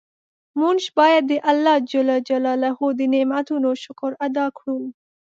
مونږ باید د الله ج د نعمتونو شکر ادا کړو.